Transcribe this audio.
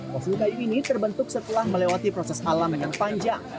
fosil kayu ini terbentuk setelah melewati proses alam yang panjang